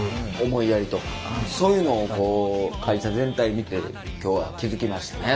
思いやりとかそういうのをこう会社全体見て今日は気付きましたね